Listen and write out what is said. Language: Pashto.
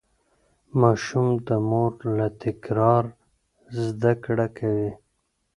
ماشوم د مور له تکرار زده کړه کوي.